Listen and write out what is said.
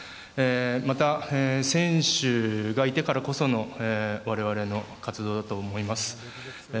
また選手がいてこその我々の活動だと思います。